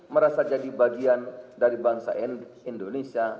merasa jadi bagian dari bangsa indonesia